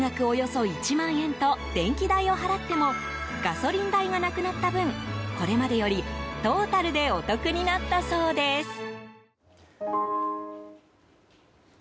およそ１万円と電気代を払ってもガソリン代がなくなった分これまでよりトータルでお得になったそうです。